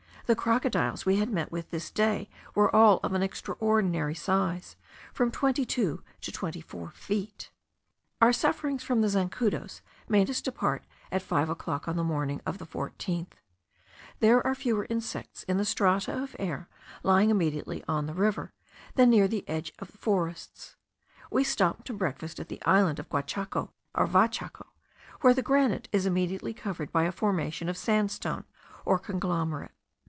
The crocodiles we had met with this day were all of an extraordinary size, from twenty two to twenty four feet. Our sufferings from the zancudos made us depart at five o'clock on the morning of the 14th. There are fewer insects in the strata of air lying immediately on the river, than near the edge of the forests. We stopped to breakfast at the island of Guachaco, or Vachaco, where the granite is immediately covered by a formation of sandstone, or conglomerate.